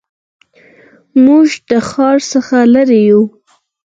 موږ د ښار څخه لرې یو